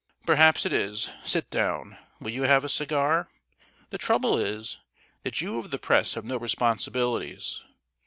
"Perhaps it is. Sit down. Will you have a cigar? The trouble is, that you of the Press have no responsibilities.